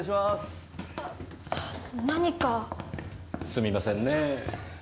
すみませんねぇ。